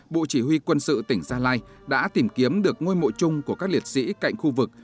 bộ chỉ huy quân sự tỉnh gia lai đã tìm kiếm được ngôi mộ chung của các liệt sĩ cạnh khu vực